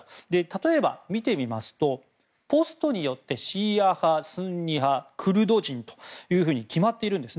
例えば、見てみますとポストによってシーア派、スンニ派クルド人と決まっているんです。